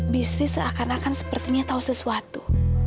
bisri seakan akan sepertinya tau sesuatu